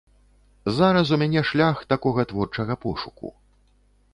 Зараз у мяне шлях такога творчага пошуку.